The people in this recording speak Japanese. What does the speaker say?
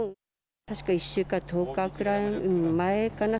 確か１週間、１０日ぐらい前かな。